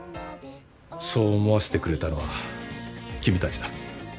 そう思わせてくれたのは君たちだ。